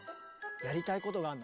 やりたいことがあんの。